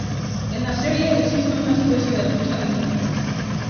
En la serie existe una especie de lucha de este tipo.